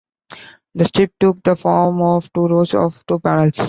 The strip took the form of two rows of two panels.